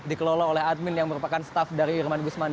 dikelola oleh admin yang merupakan staff dari irman gusman